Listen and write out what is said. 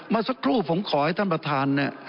เมื่อสักครู่ผมขอให้ท่านประธานเนี่ย